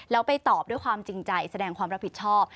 แล้วไปตอบด้วยความจริงใจแสดงความรับผิดชอบ